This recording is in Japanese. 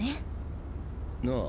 なあ。